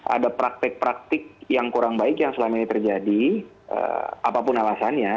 ada praktek praktik yang kurang baik yang selama ini terjadi apapun alasannya